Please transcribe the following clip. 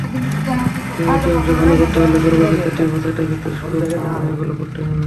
জ্যামিতি অংশে ভালো করতে হলে বর্গক্ষেত্র, ত্রিভুজ, আয়তক্ষেত্র, রম্বশ, সামান্তরিক—এগুলো পড়লেই হবে।